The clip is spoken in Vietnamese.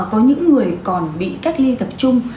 có những người còn bị cách ly tập trung